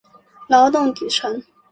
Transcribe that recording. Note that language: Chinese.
劳动底层